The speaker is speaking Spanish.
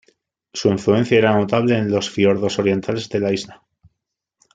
Su influencia era notable en los Fiordos orientales de la isla.